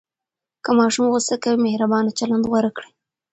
که ماشوم غوصه کوي، مهربانه چلند غوره کړئ.